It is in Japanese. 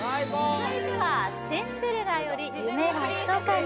続いては「シンデレラ」より「夢はひそかに」